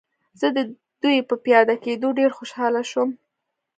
زه د دوی په پیاده کېدو ډېر خوشحاله شوم.